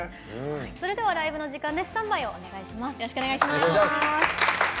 それではライブのお時間です。